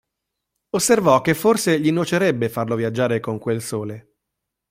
Osservò che forse gli nuocerebbe farlo viaggiare con quel sole.